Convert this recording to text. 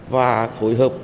và phối hợp